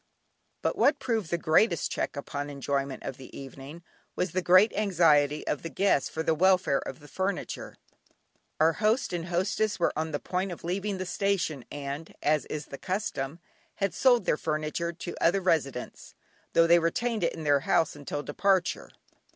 But what proved the greatest check upon the enjoyment of the evening was the great anxiety of the guests for the welfare of the furniture. Our host and hostess were on the point of leaving the station, and as is the custom, had sold their furniture to the other residents, though they retained it in their house until departure.